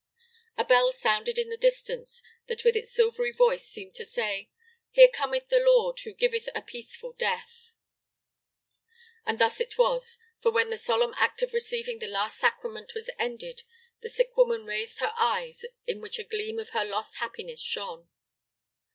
A bell sounded in the distance that with its silvery voice seemed to say: "Here cometh the Lord, who giveth a peaceful death." And thus it was; for when the solemn act of receiving the Last Sacrament was ended, the sick woman raised her eyes, in which a gleam of her lost happiness shone.